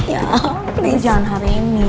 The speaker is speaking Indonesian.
ya ini jangan hari ini